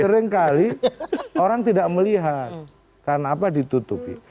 sering kali orang tidak melihat karena apa ditutupi